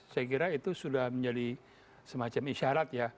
saya kira itu sudah menjadi semacam isyarat ya